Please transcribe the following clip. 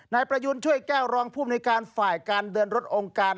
นายประยุณช่วยแก้วรองภูมิในการฝ่ายการเดินรถองค์การ